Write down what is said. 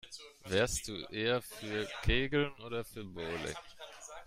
Wärst du eher für Kegeln oder für Bowling?